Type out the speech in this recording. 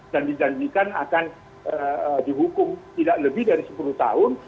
dan dijanjikan akan dihukum tidak lebih dari sepuluh tahun